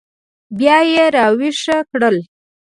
بیا یې راویښ کړل.